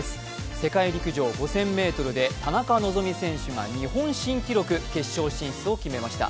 世界陸上５０００ｍで田中希実選手が日本新記録、決勝進出を決めました。